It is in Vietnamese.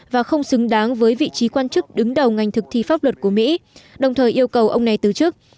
và không xứng đáng với vị trí quan chức đứng đầu ngành thực thi pháp luật của mỹ đồng thời yêu cầu ông này từ chức